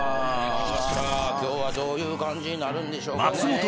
今日はどういう感じになるんでしょうね。